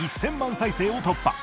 再生を突破。